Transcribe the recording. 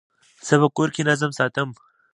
زه په کور کي نظم ساتم.